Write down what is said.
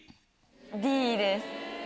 Ｄです。